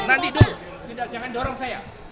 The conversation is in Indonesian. nanti dong jangan dorong saya